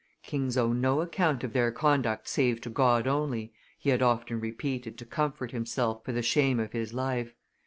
"Kings owe no account of their conduct save to God only," he had often repeated to comfort himself for the shame of his life.